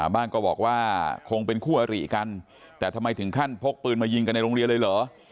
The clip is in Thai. ก็บอกว่าคงเป็นคู่อริกันแต่ทำไมถึงขั้นพกปืนมายิงกันในโรงเรียนเลยเหรอ